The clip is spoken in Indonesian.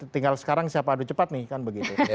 tinggal sekarang siapa adu cepat nih kan begitu